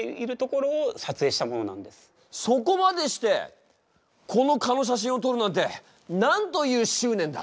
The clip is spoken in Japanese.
そこまでしてこの蚊の写真を撮るなんてなんという執念だ。